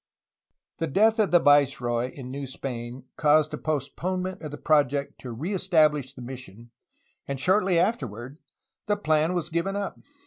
'' The death of the viceroy of New Spain caused a postponement of the project to re establish the mission, and shortly after ward the plan was given up.